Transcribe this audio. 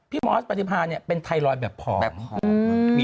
พี่มอสปฏิพาณเป็นไทรลอยด์แบบผอม